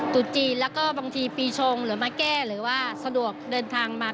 จุดจีนแล้วก็บางทีปีชงหรือมาแก้หรือว่าสะดวกเดินทางมา